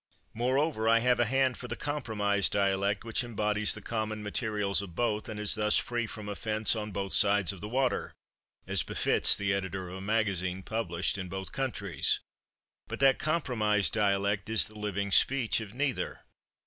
Moreover, I have a hand for a compromise dialect which embodies the common materials of both, and is thus free from offense on both sides of the water as befits the editor of a magazine published in both countries. But that compromise dialect is the living speech of neither.